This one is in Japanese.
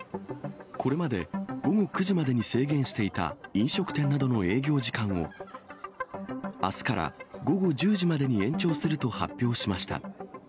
これまで、午後９時までに制限していた飲食店などの営業時間を、あすから午後１０時までに延長すると発表しました。